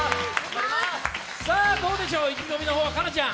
どうでしょう、意気込みの方は環奈ちゃん。